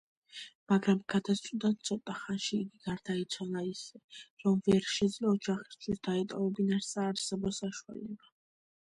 მაგრამ გადასვლიდან ცოტა ხანში იგი გარდაიცვალა ისე, რომ ვერ შეძლო ოჯახისთვის დაეტოვებინა საარსებო საშუალება.